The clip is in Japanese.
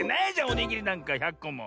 おにぎりなんか１００こも。